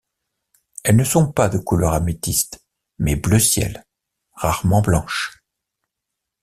Elles ne sont pas de couleur améthyste, mais bleu ciel, rarement blanche.